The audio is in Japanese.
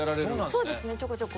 そうですねちょこちょこ。